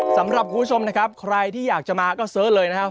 สำหรับคุณผู้ชมนะครับใครที่อยากจะมาก็เสิร์ชเลยนะครับ